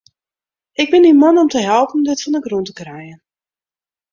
Ik bin dyn man om te helpen dit fan 'e grûn te krijen.